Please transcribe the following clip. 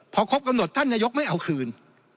พอครบกำหนดท่านนายกไม่เอาคืน